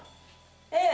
ええ。